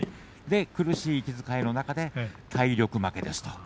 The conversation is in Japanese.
苦しい息遣いの中で体力負けですと。